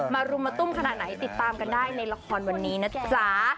รุมมาตุ้มขนาดไหนติดตามกันได้ในละครวันนี้นะจ๊ะ